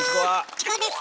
チコです